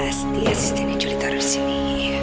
pasti asistennya julie taruh di sini